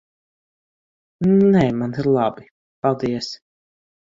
Nē, man ir labi. Paldies.